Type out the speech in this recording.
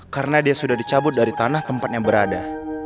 karena dia sudah dicabut dari tanah tempatnya berada